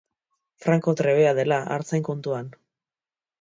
Franko trebea dela artzain kontuan.